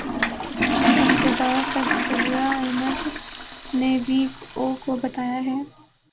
کی عہدیدار سدرا احمد نے وی او کو بتایا ہے